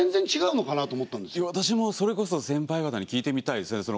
私もそれこそ先輩方に聞いてみたいですね。